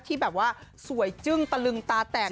ที่แบบว่าสวยจึ้งตะลึงตาแตก